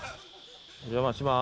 お邪魔します。